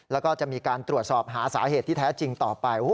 แล้วก็จะมีการตรวจสอบหาสาเหตุที่แท้จริงต่อไป